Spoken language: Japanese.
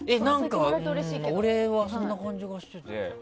俺はそんな感じがしてて。